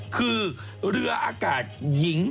คือเรืออากาศหญิง